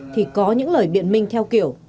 thì có những lời biện minh theo kiểu